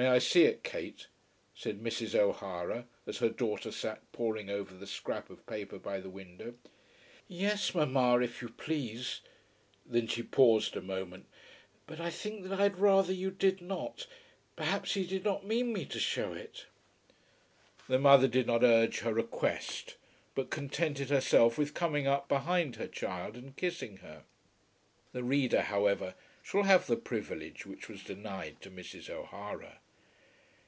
"May I see it, Kate?" said Mrs. O'Hara, as her daughter sat poring over the scrap of paper by the window. "Yes, mamma, if you please." Then she paused a moment. "But I think that I had rather you did not. Perhaps he did not mean me to shew it." The mother did not urge her request, but contented herself with coming up behind her child and kissing her. The reader, however, shall have the privilege which was denied to Mrs. O'Hara.